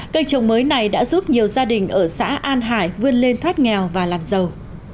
cây trồng mới này đã giúp nhiều gia đình ở xã an hải vươn lên thoát nghèo và làm giàu